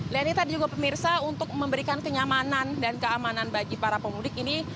lenita dan juga pemirsa untuk memberikan kenyamanan dan keamanan bagi para pemudik ini